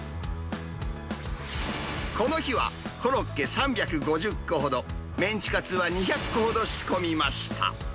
この日は、コロッケ３５０個ほど、メンチカツは２００個ほど仕込みました。